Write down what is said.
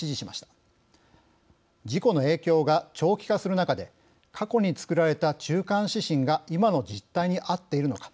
事故の影響が長期化する中で過去に作られた中間指針が今の実態に合っているのか。